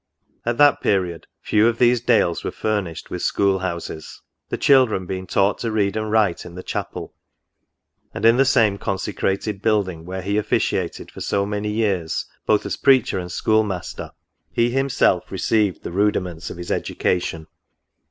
At that period few of these Dales were furnished with school houses ; the children being taught to read and write in the chapel ; and in the same consecrated building, where he officiated for so many years both as preacher and school master, he himself received the rudiments of his education.